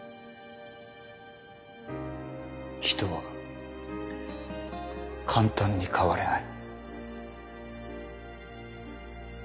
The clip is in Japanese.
人は簡単に変われない。